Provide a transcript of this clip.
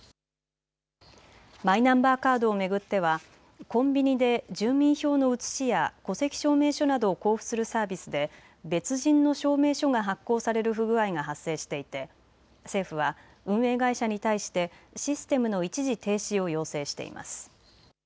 マイナンバーカードを巡ってはコンビニで住民票の写しや戸籍証明書などを交付するサービスで別人の証明書が発行される不具合が発生していて政府は運営会社に対してシステムの一時停止を要請しています。